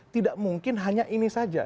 tidak mungkin hanya ini saja